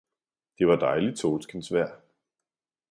Det var dejligt solskinsvejr.